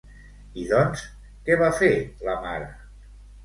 I doncs, què va fer la mare?